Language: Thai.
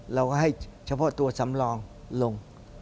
เราก็ให้เฉพาะตัวสำรองลง